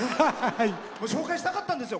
紹介したかったんですよ。